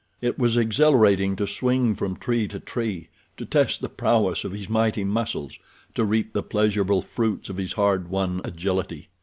It was exhilarating to swing from tree to tree; to test the prowess of his mighty muscles; to reap the pleasurable fruits of his hard won agility.